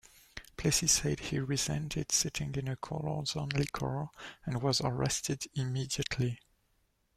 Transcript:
Plessy said he resented sitting in a coloreds-only car and was arrested immediately.